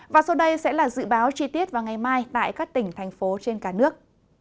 và sau đây sẽ là dự báo chi tiết vào ngày mai tại các tỉnh thành phố trên cả nước